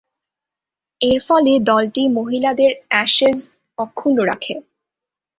এরফলে দলটি মহিলাদের অ্যাশেজ অক্ষুণ্ন রাখে।